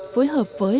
với hợp với